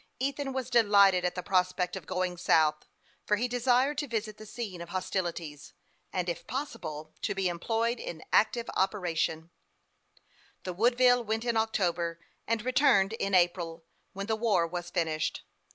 Ethan was delighted at the prospect of going south, for he desired to visit the scene of hostilities, and, if possible, to be employed in active operations. The Woodville went in October, and returned in April, when the war was finished.